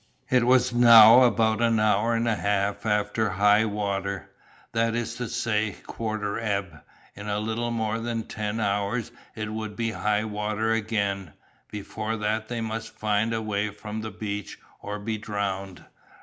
It was now about an hour and a half after high water, that is to say, quarter ebb; in a little more than ten hours it would be high water again, before that they must find a way from the beach or be drowned.